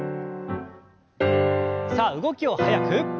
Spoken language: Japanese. さあ動きを速く。